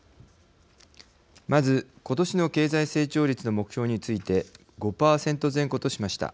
まず今年の経済成長率の目標について５％前後としました。